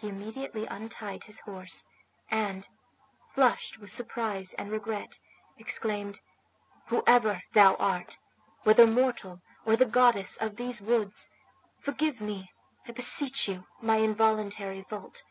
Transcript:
He immediately untied his horse, and, flushed with surprise and regret, exclaimed, "Whoever thou art, whether mortal or the goddess of these woods, forgive me, I beseech you, my involuntary fault.